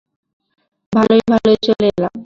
ভালোয় ভালোয় চলে এলাম।